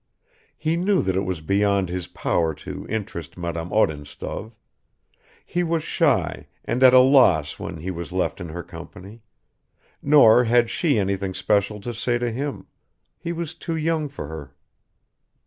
He knew that it was beyond his power to interest Madame Odintsov; he was shy and at a loss when he was left in her company, nor had she anything special to say to him; he was too young for her.